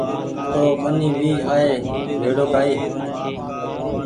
تو ٻني بي آئي ڀيڙو ڇي